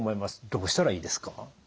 どうしたらいいですか？